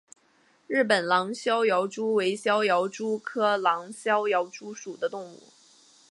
日本狼逍遥蛛为逍遥蛛科狼逍遥蛛属的动物。